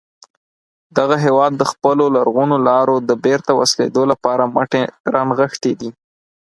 دغه هیواد د خپلو لرغونو لارو د بېرته وصلېدو لپاره مټې را نغښتې دي.